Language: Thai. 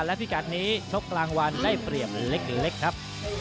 และพิกัดนี้ชกรางวัลได้เปรียบเล็กครับ